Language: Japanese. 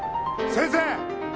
先生！